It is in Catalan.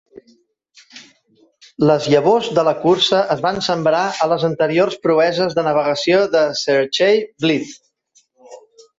Les llavors de la cursa es van sembrar a les anteriors proeses de navegació de Sir Chay Blyth.